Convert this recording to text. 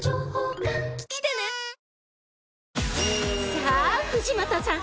［さあ藤本さん。